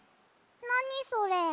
なにそれ？